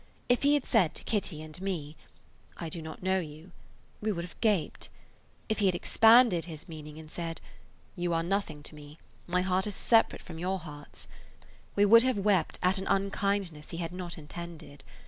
If he had said to Kitty and me, "I do not know you," we would have gaped; if he had expanded his meaning and said, "You are nothing to me; my heart is separate from your hearts," we would have wept at an unkindness he had not intended.